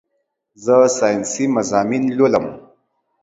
زه سائنسي مضامين لولم